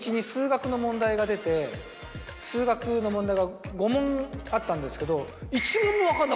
が出て数学の問題が５問あったんですけど。